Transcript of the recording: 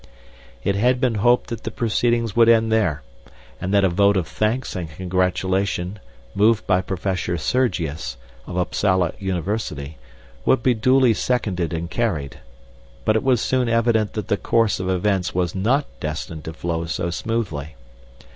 "It had been hoped that the proceedings would end there, and that a vote of thanks and congratulation, moved by Professor Sergius, of Upsala University, would be duly seconded and carried; but it was soon evident that the course of events was not destined to flow so smoothly.